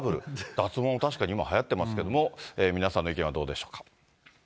脱毛確かに今、はやってますけど、皆さんの意見はどうでしょうか。